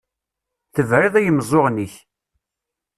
Tebriḍ i yimeẓẓuɣen-ik.